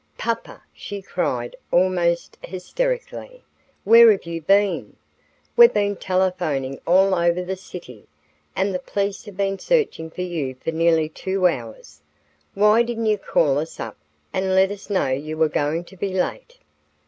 "Papa!" she cried almost hysterically; "where have you been? We've been telephoning all over the city, and the police have been searching for you for nearly two hours. Why didn't you call us up and let us know you were going to be late?"